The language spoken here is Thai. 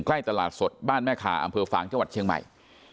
ใกล้ตลาดสดบ้านแม่คาอำเภอฝางจังหวัดเชียงใหม่